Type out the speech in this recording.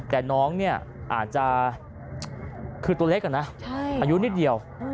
แต่น้องเนี่ยอาจจะคือตัวเล็กอะนะอายุนิดเดียว